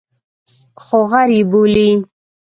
خو غر یې بولي.